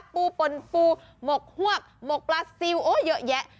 ปูปนปูหมกฮวกหมกปลาซิลโอ้เยอะแยะ